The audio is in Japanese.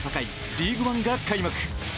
リーグワンが開幕。